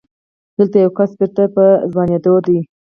دلته يو کس بېرته په ځوانېدو دی.